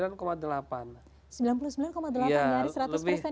sembilan puluh sembilan delapan dari seratus persen ya pak